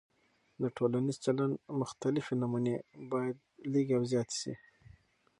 د ټولنیز چلند مختلفې نمونې باید لږې او زیاتې سي.